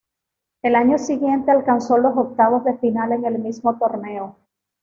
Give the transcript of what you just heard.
Al año siguiente alcanzó los octavos de final en el mismo torneo.